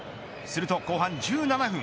すると後半１７分。